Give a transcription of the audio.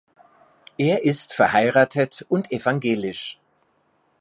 Er ist verheiratet und evangelisch.